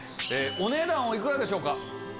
お値段お幾らでしょうか？